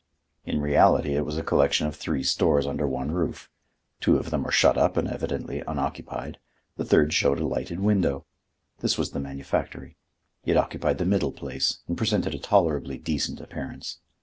In reality it was a collection of three stores under one roof: two of them were shut up and evidently unoccupied, the third showed a lighted window. This was the manufactory. It occupied the middle place and presented a tolerably decent appearance.